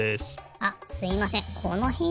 あすいません。